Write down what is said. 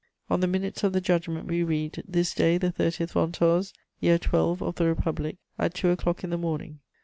"On the minutes of the judgment we read, 'This day, the 30 Ventôse, Year XII of the Republic, _at two o'clock in the morning.